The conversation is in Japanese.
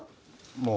もう。